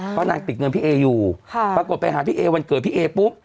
เพราะนางติดเงินพี่เออยู่ปรากฏไปหาพี่เอวันเกิดพี่เอปุ๊บ